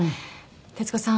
徹子さん